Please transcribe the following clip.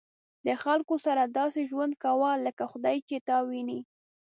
د خلکو سره داسې ژوند کوه لکه خدای چې تا ویني.